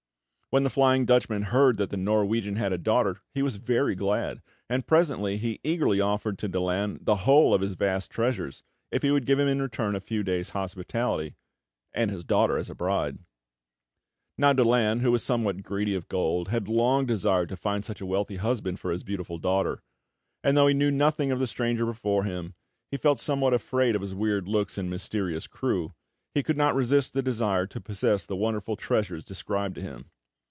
When the Flying Dutchman heard that the Norwegian had a daughter, he was very glad; and presently he eagerly offered to Daland the whole of his vast treasures, if he would give him in return a few days' hospitality, and his daughter as a bride. Now Daland, who was somewhat greedy of gold, had long desired to find such a wealthy husband for his beautiful daughter, and, though he knew nothing of the stranger before him, and felt somewhat afraid of his weird looks and mysterious crew, he could not resist the desire to possess the wonderful treasures described to him.